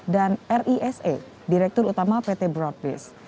dan rise direktur utama pt broadbis